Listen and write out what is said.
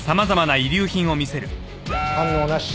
反応なし。